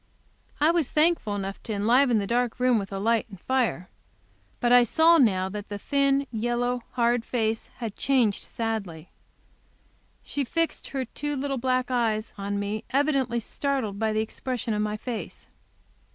I was thankful enough to enliven the dark room with light and fire. But I saw now that the thin, yellow, hard face had changed sadly. She fixed her two little black eyes on me, evidently startled by the expression of my face.